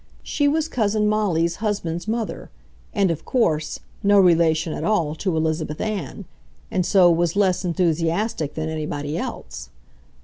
She was Cousin Molly's husband's mother, and, of course, no relation at all to Elizabeth Ann, and so was less enthusiastic than anybody else.